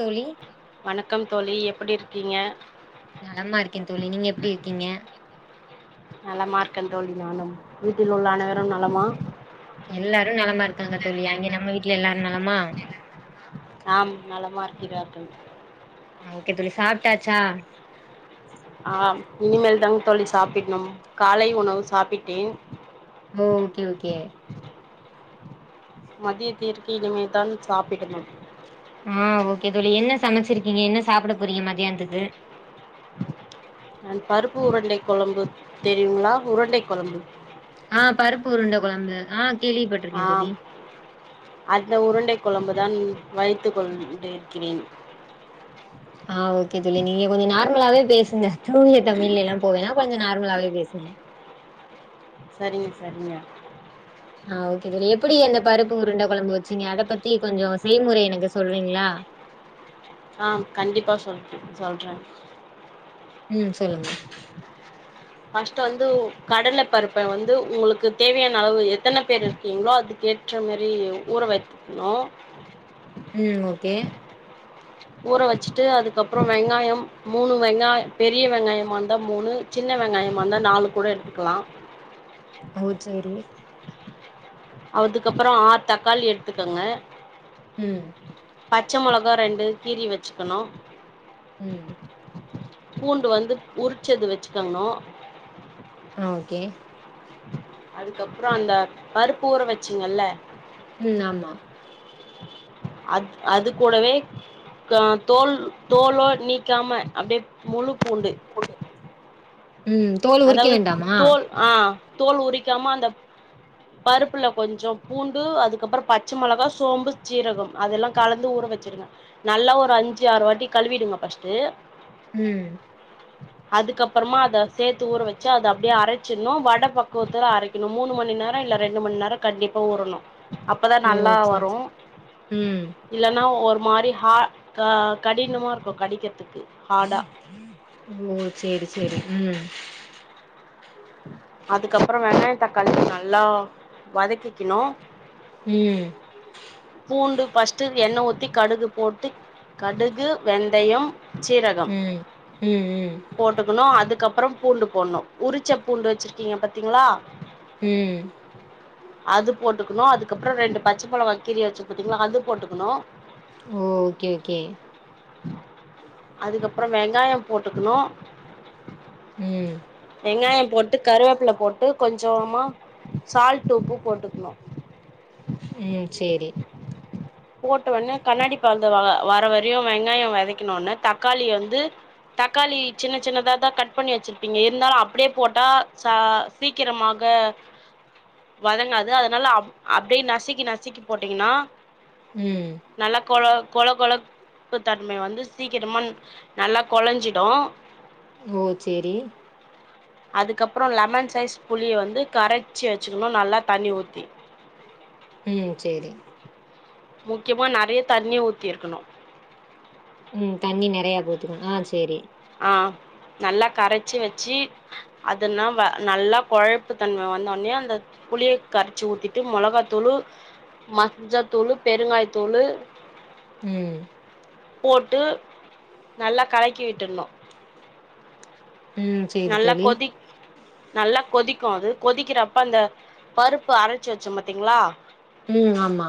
தோழி வணக்கம் தோழி எப் ப்டி இருக்கீங்க நலமா இருக்கேன் தோழி நீங்க எப்படி இருக்கீங்க நலமா இருக்கேன் தோழி நானும் வீட்டில் உள்ள அனைவரும் நலமா எல்லாரும் நலமா இருக்காங்க தோழி அங்கே நம்ம வீட்ல எல்லாரும் நலமா ஆம் நலமா இருக்கிராங்க ஆஹ ஓகே தோழி சாப்ட்டாச்சா ஆஹ் இனிமேல் தாங்க தோழி சாப்பிடணும் காலை உணவு சாப்பிட்டேன் ம் ஓகே ஓகே மதியத்திர்க்கு இனிமேதான் சாப்பிடும் ஆஹ் ஓகே தோழி என்ன சமைச்சிருக்கீங்க என்ன சாப்பிட போறீங்க மதியானத்துக்கு நான் பருப்பு உருண்டை குழம்பு தெரியுங்களா உருண்டை குழம்பு ஆஹ் பருப்பு உருண்ட குழம்பு ஆஹ் கேள்வி பட்டுருக்கே தோழி ஆம் அந்த உருண்டை குழம்புதா வைத்து கொண்டிருக்கிறேன் ஆஹ் ஓகே தோலி நீங்க கொஞ்சோ நார்மலாவே பேசுங்க தூய தமிழ்லல்லா போவேன்னா கொஞ்சோ நார்மலாவே பேச சரிங்க சரிங்க ஆஹ் ஓகே தோழி எப்படி எந்த பருப்பு உருண்ட குழம்பு வச்சிங்க அதை பத்தி கொஞ்சோ. செய்முறை எனக்கு சொல்றீங்களா ஆஹ் கண்டிப்பா சொல் சொல்ற ம் சொல்லுங்க பஸ்ட் வந்து கடல பருப்பை வந்து உங்களுக்கு தேவையான அளவு எத்தனை பேர் இருக்கீங்களோ அதுக்கு ஏற்ற மாரி ஊற வைத்துக்கணு உம் ஓகே ஊற வச்சுட்டு அதுக்கப்ரோ வெங்காயம் மூணு வெங்காய பெரிய வெங்காயமா இருந்தா மூணு சின்ன வெங்காயமா இருந்தா நாலு கூட எடுத்துக்கலா ஓ சேரி அதுக்கப்ரோ ஆரு தக்காளி எடுத்துக்கங்க உம் பச்சை மிளகா ரெண்டு கீறி வச்சுக்கணு உம் பூண்டு வந்து உரிச்சது வச்சுக்கணு ஆ ஓகே அதுக்கப்பற அந்த பருப்பு ஊற வச்சிங்கல்ல உம் ஆமா அத் அது கூடவே அ தோல் தோலோ நீக்காம அப்படியே முழு பூண்டு உம் தோல் உரிக்க அதாவது வேண்டாமா தோல் ஆ தோல் உரிக்காம அந்த பருப்புல கொஞ்சோ பூண்டு அதுக்கப்புற பச்சை மிளகா சோம்பு சீரக அதெல்லா கலந்து ஊற வச்சிடுங்க நல்லா ஒரு அஞ்சு ஆறு வாட்டி கழுவிடுங்க பஸ்ட்டு உம் அதுக்கப்பறமா அத சேர்த்து ஊற வச்சு அது அப்படியே அரைச்சிடணு வட பக்குவத்துல அரைக்கணு மூணு மணி நேர இல்ல ரெண்டு மணி நேர கண்டிப்பா ஊறணு அப்பதா ஓ நல்லா சேரி வரு சேரி ம் இல்லன்னா ஒரு மாரிஹஹ் கடினமா இருக்கு கடிக்கிறதுக்கு ஹார்டா ஓ சேரி சேரி உம் அதுக்கப்ரோ வெங்காய தக்காளி நல்லா வதக்கிக்கணு உம் பூண்டு பஸ்ட்டு எண்ண ஊத்தி கடுகு போட்டு கடுகு வெந்தய சீரகம் ம் ம் ம் போட்டுக்கணு அதுக் அதுக்கப்ரோ பூண்டு போட்னு உரிச்ச பூண்டு வச்சிருக்கீங்க பாத்தீங்களா உம் அது போட்டுக்கணு அதுக்கப்புற ரெண்டு பச்சைமெளகா கீ வச்சு பாத்தீங்களா அது போட்டுக்கணு ஓ ஓகே ஓகே அதுக்கப்ரோ வெங்காயோ போட்டுக்கணு உம் வெங்கயோ போட்டு கருவேப்புல போட்டு கொஞ்சமா சால்ட் டோப்பு போட்டுக்கணு ம் சேரி போட்ட உன்னே கண்ணாடி பத்த வ வர வரையு வெங்காய வெதக்கின உனே தக்காளி வந்து தக்காளி சின்ன சின்னதாதா கட் பண்ணி வச்சிருப்பீங்க இருந்தாலு அப்டியே போட்டா ச சீக்கிரமாக வதங்காது அதனால அ அப்படியே நசுக்கி நசுக்கி போட்டீங்கன்னா ம் நல்லா கெழ கொழ கொழப்பு தன்மை வந்து சீக்கிரமா நல்லா கொழஞ்சிடு ஓ சேரி அதுக்கப்பற லெமன் சைஸ் புளிய வந்து கரைச்சு வச்சுக்கணு நல்லா தண்ணி ஊத்தி உம் சேரி முக்கியமா நெறைய தண்ணிய ஊத்தி இருக்கணு உம் தண்ணி நெறைய போத்துக்கணு ஆஹ் சரி ஆஹ் நல்லா கரைச்சு வச்சி அதன்னா நல்லா குழைப்பு தன்ம வந்தென்னே அந்த புளிய கரைச்சு ஊத்திட்டு மெளகாத்தூளு மஞ்சத்தூளு பெருங்காய தூளு உஹம் போட்டு நல்லா கலக்கி வச் ப்ள்ள உம் சேரி நல்லா தோழி கொதி நல்லா கொதிக்கோ அது கொதிக்கிறப்ப அந்த பருப்பு அரச்சு வச்சோ பாத்திங்ளா ம் ஆமா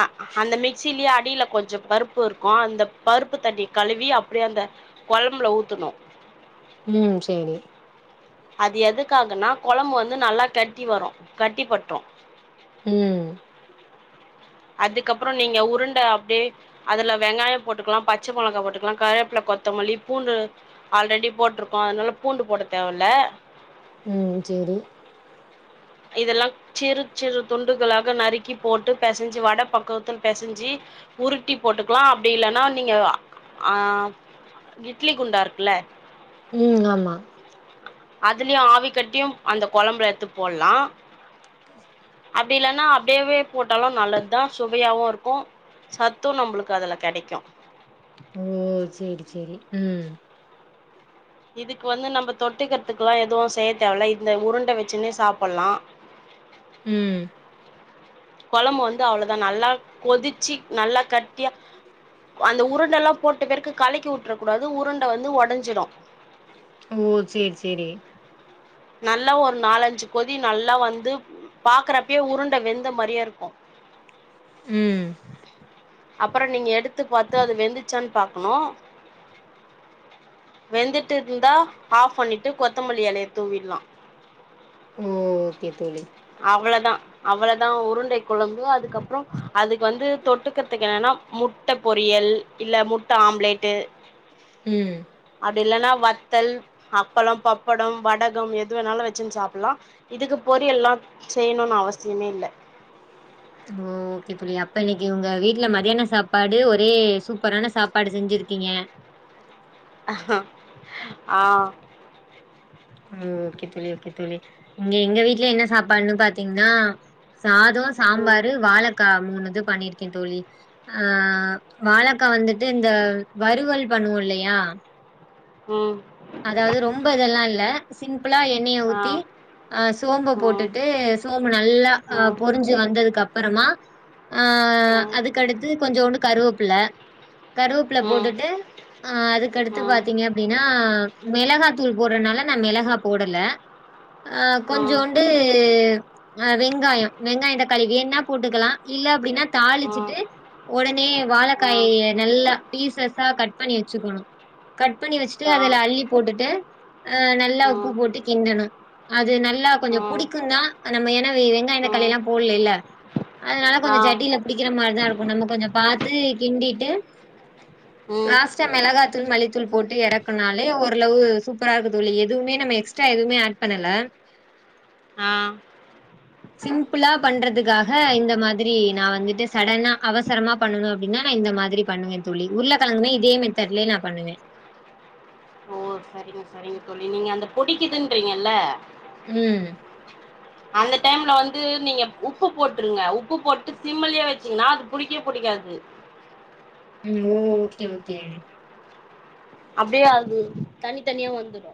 அ அந்த மிக்சிலியே அடில கொஞ்சோ பருப்புருக்கோ அந்த பருப்பு தண்ணி கழுவி அப்டியே அந்த கொலம்புல ஊத்தணூ ம் சேரி அது எதுக்காகன்னா கொலம்பு வந்து நல்லா கட்டி வரும் கட்டி பட்ரும் ஊம் அதுக்கப்புறோ நீங்க உருண்ட அப்டியே அதுல வெங்காய போட்டுக்லாம் பச்ச மொளகா போட்டுக்லாம் கறேப்ல கொத்தமல்லி பூண்டு ஆல்ரெடி போட்ருக்கோ அதனால பூண்டு போட தேவல்ல உம் சேரி இதெல்லாம்ச் சிறு சிறு துண்டுகளாக நறுக்கி போட்டு பேசஞ் ஜி வட பக்குவத்துல் பேசஞ்ஜி உருட்டி போட்டுக்லாம் அப்டி இல்லன்னா நீங்க ஆ இட்லி குண்டாருக்குல்ல ஊம் ஆமா அதுலயு ஆவி கட்டியும் அந்த கொலம்புல எத்து போட்லாம் அப்டி இல்லன்னா அப்டேவே போட்டாலு நல்லத் தா சுவயாவும் ருக்கும் சத்தும் நம்புளுக்கு அதுல கேடிக்கும் ஓ சேரி சேரி உம் இதுக் வந்து நம்ப தொட்டுக்றதுக்குல்லாம் எதுவு செய்ய தேவல இந்த உருண்ட வச்சுன்னு சாப்புல்லாம் ஊம் கொலம்பு வந்து அவ்ளதா நல்லா கொதிச்சி நல்லா கட் டியா அந்த உருண்டல்லாம் போட்ட பெறக்கு கலக்கி உட்ற கூடாது உருண்ட வந்து ஒடஞ்சிடும் ஓ சேர் சேரி நல்லா ஒர் நாலஞ்சு கொதி நல்லா வந்து பாக்றப்யே உருண்ட வெந்த மாரியேருக்கும் ம் அப்பறோ நீங்க எடுத்து பாத்து அது வெந்துச்சான் பா னூம் வெந்துட்டுருந்தா ஆஃப் பண்ணிட்டு கொத்தமல்லி எலய தூவிட்லாம் ஓ ஓக்கே தோழி தா அவளதா உருண்டை கொலம்பு அதுக்கப்றோ அதுக் வந்து தொட்டுக்கற்துக் என்னனா முட்ட பொரியல் இல்ல முட்ட ஆம்லேட்டு் உம் அப்டி இல்லன்னா வத்தல் அப்பளோ பப்படம் வடகம் எது வேணாலூ வச்சின் சாப்புல்லாம் இதுக்கு பொரியல்லாம் செய்ணுன் அவசியமே இல்ல ஓ ஓக்கே தோழி அப்ப இன்னிக்கி உங்க வீட்ல மதியான சாப்பாடு ஒரே சூப்பரான சாப்பாடு செஞ்சிருக்கிங்க ஆ ஓ ஓக்கே தோழி ஓக்கே தோழி இங்க எங்க வீட்ல என்ன சாப்பாட்னு பாத்திங்னா சாதோ ம் சாம்பாரு வாழக்கா மூணுது பண்ணிர்க்கே த் தோழி ஆ வாழக்கா வந்துட் டு இந்த வறுவல் பண்ணுவோ இல்லயா ஆ உம் அதாது ரொம்ப இதல்லா இல்ல சிம் லா எண்ணய ஆ ஊத்தி ஆ சோம்பு ம் போட்டுட்டு சோம்பு நல்லா ம் பொறிஞ்சு வந்ததுக்கப் பறமா ஆஹ் ஆம் அதுக்கடுத்து கொஞ்சோன்டு கருவ்ப்புல கருவ்ப்புல ம் போட்டுட்டு ஆஹ் அதுக்கடுத்து பாத்தீங்க அப்டின்னா மெளஹா தூள் போட்றனால நா மெளஹா போடல ஆஹ் ஆ கொஞ்சோண்டு வெங்காயம் வெங்காயந்த க்காளி வேன்னா போட்டுக்கலா இல்ல அப்டின்னா தாளிச்சுட்டு ஒடனே வாளக்காய நல்லா பீசஸா கட் பண்ணி வச்சுக்கணு கட் பண்ணி வச்சுட்டு அதுல அள்ளி போட்டுட்டு ஆஹ் நல்லா உப்பு போட்டு கிண்டணு அது நல்லா கொஞ்சொ புடிக்குந் தான் நம்ம ஏன்னா வெங்காயம் தக்காளி எல்லாம் போட்லைல்ல அதனால கொஞ்சொ சட்டில புடிக்கிற மாரிதான் இருக்கும் நம்ம கொஞ்சம் பாத்து கிண்டிட்டு லாஸ்ட் டைம் மெலகாத்தூள் மல்லித் தூள் போட்டு எறக்குனாலே ஒ ரளவு சூப்பரா இருக்கு தோழி எதுவுமே நம்ம எக்ஸ்ட்ரா எதுவுமே ஆட் பண்ணல சிம்ப்ளா பண்றதுக்காக இந்த மாதிரி நா வந்துட்டு சடனா அவசரமா பண்ணணு அப்டின்னா இந்த மாதிரி பண்ணுவேன் தோழி உருளக்கெளங்குனா இதே மெத்தட்லயே நா பண்ணுவேன் ஓ சரிங்க சரிங்க தோழி நீங்க அந்த பொடிக்கிதுன்றீங்கல்ல ம் அந்த டைம்ல வந்து நீங்க உப்பு போட்டுருங்க உப்பு போட்டு சிம்முலியே வச்சீங்கன்னா அது புடிக்கே புடிக்காது ஓ ஓகே ஓகே அப்டியே அது தனி தனியா வந்துடு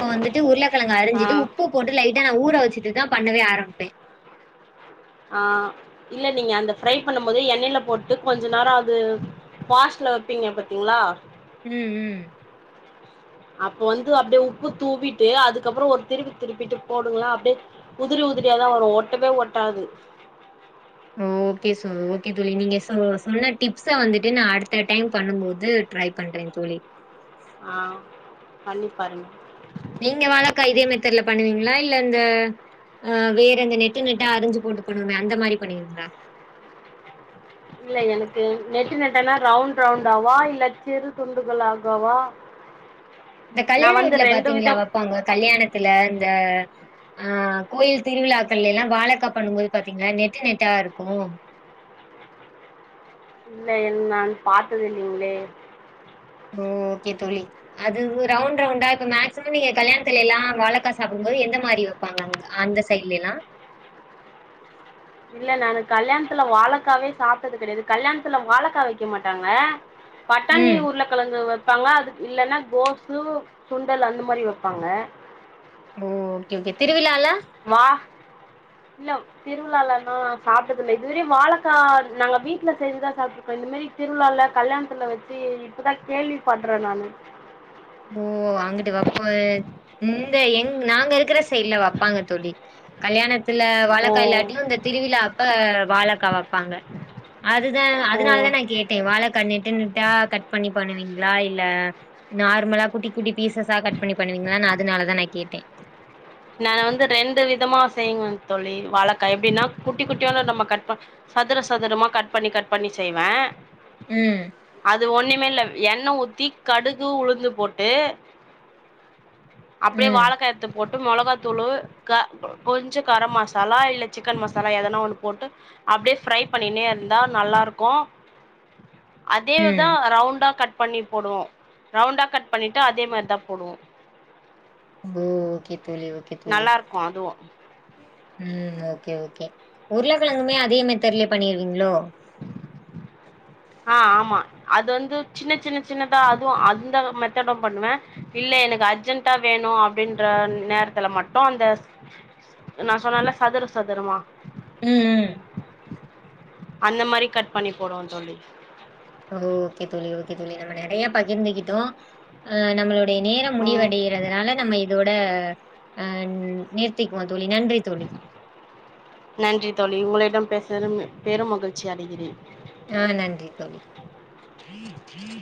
இப்ப வந்துட்டு உருளக்கெலங்க ஆ அரிஞ்சிட்டு உப்பு போட்டு லைட்டா நா ஊற வச்சுட்டு தான் பண்ணவே ஆரம்ப்பேன் ஆஹ் இல்ல நீங்க அந்த ஃப்ரை பண்ணும் போது எண்ணெய்ல போட்டு கொஞ்ச நேரொ அது பாஸ்ட்ல வெப்பீங்க பாத்திங்ளா ம் ம் அப்ப வந்து அப்டே உப்பு தூவிட்டு அதுக்கப்புறோ ஒரு திருப்பி திருப்பிட்டு போடுங்ளா அப்டே உதிரி உதிரியாதான் வரு ஒட்டவே ஒட்டாது ஓகே ஓகே தோழி நீங்க சொன்ன டிப்ஸ வந்துட்டு நா அடுத்த டைம் பண்ணும்போது ட்ரை பண்றேன் தோழி ஆஹ் பண்ணி பாருங் நீங்க வாழக்கா இதே மெத்தட்ல பண்ணுவீங்ளா இல்ல அந்த ஆஹ் வேறந்த நெட்டு நெட்டா அறிஞ்சு போட்டு பண்ணுவமே அந்த மாரி பண்ணுவீங்ளா இல்ல எனக்கு நெட்டு நெட்டனா ரவுண்ட் ரவுண்ட் ஆவா இல்ல சிறு துண்டுகள் ஆகவா ந்த கல்யாண வீட்ல பாத்தீங்ளா வெப்பாங்க கல்யாணத்துல இந்த ஆஹ் கோயில் திருவிழாக்கள்ல எல்லா வாழக்கா பண்ணும்போது பாத்தீங்னா நெட்டு நெட்டா ருக்கு இல்ல என் நான் பாத்தது இல்லிங்ளே ஓஹ் ஓகே தோழி அது ரவ்ண்ட் ரவ்ண்டா இப்ப மேக்சிமம் நீங்க கல்யாண்த்துல எல்லா வாழக்கா சாப்புடும்போது எந்த மாரி வெப்பாங்க அந்த சைடுலைல்லா இல்ல நானு கல்யாண்த்துல வாழ க்காவே சாப்ட்டது கெடையது கல்யாண்த்துல வாழக்கா வெக்க மாட்டாங்க பட்டாணி ம் உர்லகெழங்கு ப்பாங்க அதுக் இல்லன்னா கோசு சுண்டல் அந்த மாரி வெப்பாங்க ஓ ஓகே ஓகே திருவிழால வா இல்ல திருவிழாலன்னா சாப்ட்டதில்ல இதுவரையு வாழக்கா நாங்க வீட்ல செஞ்சுதா சாப்ட்ருக்கோ இந்த மெரி திருவிழா ல்ல கல்யாணத்துல வச்சு இப்பதா கேள்விப்பட்றே நானு ஓ அங்குட்டு வெப்போ இந்த எங் நாங்க இருக்குற சைட்ல வெப்பாங்க தோழி கல்யாண சில ஓ வாழக்காய்ல்லாட்டியும் இந்த திருவிழா அப்ப வாழக்காய் வைப்பாங்க அதுதான் ஓ அதனால தான் நான் கேட்டேன் வாழைக்காய் நெட்டு நட்டா கட் பண்ணி பண்ணுவீங்க ங்களா இல்ல [unintelligible] நார்மலா குட்டி குட்டி பீசஸா கட் பண்ணி பண்ணுவீங்களா நா அதுனாலதா நான் கேட்டேன் நான் வந்து ரெண்டு விதமா செய்யங்கன் தோழி வாழக்கா எப்படின்னா குட்டி குட்டியான நம்ம கட் ப சதுர சதுரமா கட் பண்ணி கட் பண்ணி செய்வேன் ம் அது ஒன்னே இல்ல எண்ணெய் ஊத்தி கடுகு உளுந்து போட்டு அப்படியே ம் வாழைக்காயத்து போட்டு மிளகாத்தூளு க கொஞ்ச கரம் மசாலா இல்ல சிக்கன் மசாலா எதனா ஒண்ணு போட்டு அப்படியே ஃப்ரை பண்ணிண்ணே இருந்தா நல்லா இருக்கு ம் அதேதான் ரவுண்டா கட் பண்ணி போடுவோம் ரவுண்டா கட் பண்ணிட்டு அதே மாதிரி தான் போடுவோம் ஓகே தோழி ஓகே நல்லா இருக்கும் அதுவும் உம் ஓகே ஓகே உருளக்கிழங்குமே அதே மெத்தேட்ல பண்ணிருவீங்களோ ஆஹ் ஆமா அது வந்து சின்ன சின்ன சின்னதா அதுவும் அந்த மெத்தடும் பண்ணுவேன் இல்ல எனக்கு அர்ஜென்டா வேணும் அப்படின்ற நேரத்துல மட்டும் அந்த நா சொன்னால சதுரு சதுருமா உம் உம் அந்த மாதிரி கட் பண்ணி போடுவோ தோழி ஓ ஓகே தோழி ஓகே தோழி நம்ம நிறைய பகிர்ந்துகிட்டோம் அ் நம்மளோ அதைய நேரம் ம் முடிவடைறதுனால நம்ம இதோட ஆஹ நிறுத்திக்குவ நன்றி தோழி உங்களை இடம் பேச பெரும் மகிழ்ச்சி அடைகிறேன் ஆஹ் நன்றி தோழி ீ ீ [unintelligible]